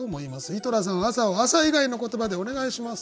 井戸田さん「朝」を「朝」以外の言葉でお願いします。